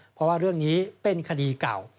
เพราะว่าเรื่องนี้เป็นคดีเก่า